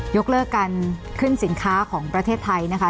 ยกเลิกการขึ้นสินค้าของประเทศไทยนะคะ